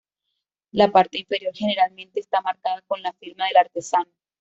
La parte inferior generalmente está marcada con la firma del artesano.